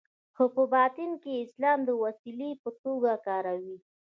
خو په باطن کې اسلام د وسیلې په توګه کاروي.